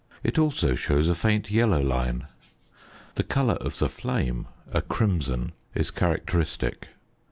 It also shows a faint yellow line. The colour of the flame (a crimson) is characteristic.